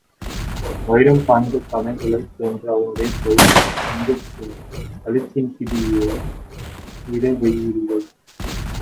வயிரம் பாய்ந்த பனைகளைப் போன்ற அவனுடைய கைகள், சிங்கத்தின் கழுத்தின் பிடியை விடவேயில்லை.